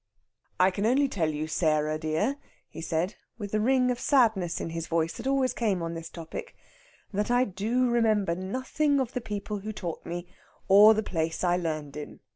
"I can only tell you, Sarah dear," he said, with the ring of sadness in his voice that always came on this topic, "that I do remember nothing of the people who taught me, or the place I learned in.